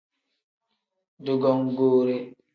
Dugongoore.